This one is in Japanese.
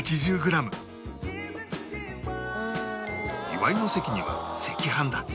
祝いの席には赤飯だ